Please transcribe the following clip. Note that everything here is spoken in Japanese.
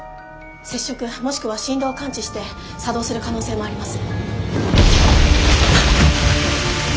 接触もしくは振動を感知して作動する可能性もあります。